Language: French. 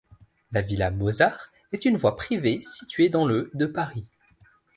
La villa Mozart est une voie privée située dans le de Paris.